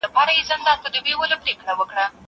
هغه څوک چي تمرين کوي قوي وي!!